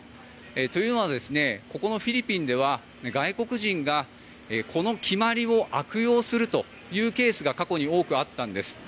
というのはここのフィリピンでは外国人がこの決まりを悪用するというケースが過去に多くあったんです。